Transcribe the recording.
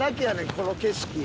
この景色。